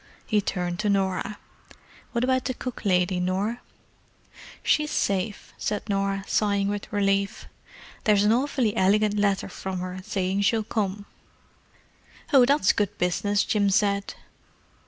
He turned to Norah. "What about the cook lady, Nor?" "She's safe," said Norah, sighing with relief. "There's an awfully elegant letter from her, saying she'll come." "Oh, that's good business!" Jim said.